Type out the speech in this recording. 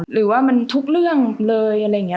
หรือว่ามันทุกเรื่องเลยอะไรอย่างนี้